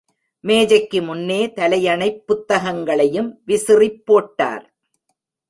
மேஜைக்கு முன்னே தலையணப் புத்தகங்களையும் விசிறிப் போட்டார்.